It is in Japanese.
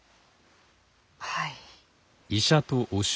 はい。